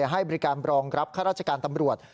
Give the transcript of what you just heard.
ให้บริการรองรับข้าราชการตำรวจ